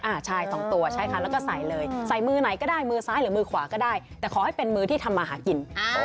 ชายสองตัวใช่ค่ะแล้วก็ใส่เลยใส่มือไหนก็ได้มือซ้ายหรือมือขวาก็ได้แต่ขอให้เป็นมือที่ทำมาหากิน